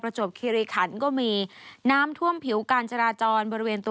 ประจบคิริขันศ์ก็มีน้ำท่วมผิวกานจราจร